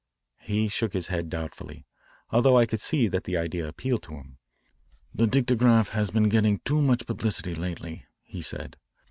He shook his head doubtfully, although I could see that the idea appealed to him. "The dictograph has been getting too much publicity lately," he said.